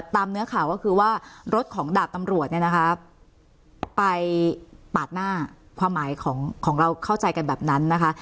เนื้อข่าวก็คือว่ารถของดาบตำรวจเนี่ยนะคะไปปาดหน้าความหมายของเราเข้าใจกันแบบนั้นนะคะ